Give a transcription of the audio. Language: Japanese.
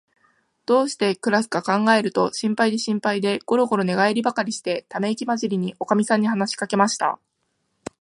どうしてくらすかかんがえると、心配で心配で、ごろごろ寝がえりばかりして、ためいきまじりに、おかみさんに話しかけました。